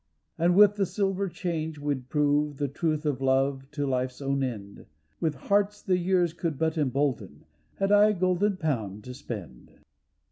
And with the silver change we'd prove The truth of Love to life's own end, With hearts the years could but embolden. Had I a golden pound to spend.